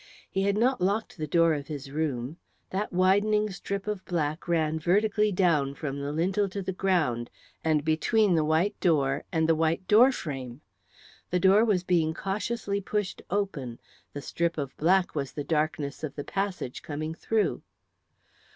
He had not locked the door of his room; that widening strip of black ran vertically down from the lintel to the ground and between the white door and the white door frame. The door was being cautiously pushed open; the strip of black was the darkness of the passage coming through.